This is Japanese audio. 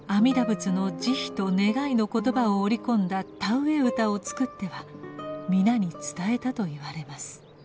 仏の慈悲と願いの言葉を織り込んだ田植え歌を作っては皆に伝えたといわれます。